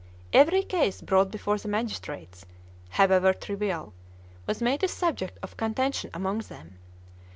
Every case brought before the magistrates, however trivial, was made a subject of contention among them.